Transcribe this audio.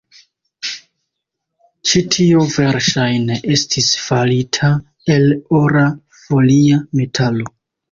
Ĉi tio verŝajne estis farita el ora folia metalo.